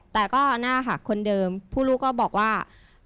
แต่ก็เนี่ยค่ะคนเดิมผู้ลูกก็บอกว่า